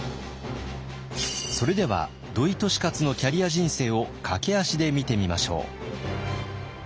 それでは土井利勝のキャリア人生を駆け足で見てみましょう。